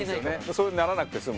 そうならなくて済む。